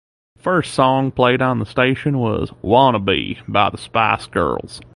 The first song played on the station was "Wannabe" by the Spice Girls.